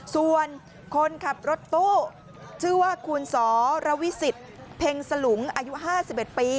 ส่วนคนขับรถตู้ชื่อว่าคุณสรวิสิทธิ์เพ็งสลุงอายุ๕๑ปี